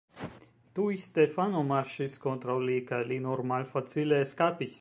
Tuj Stefano marŝis kontraŭ li kaj li nur malfacile eskapis.